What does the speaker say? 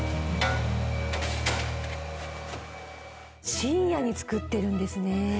深夜に作ってるんですね